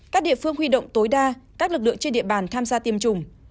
các địa phương huy động tối đa các lực lượng trên địa bàn tham gia tiêm chủng